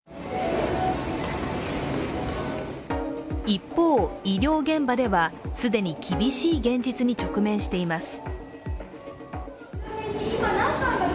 一方、医療現場では既に厳しい現実に直面しています。